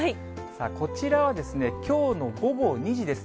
こちらは、きょうの午後２時です。